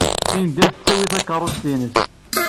Linda ad tawey takeṛṛust-nnes.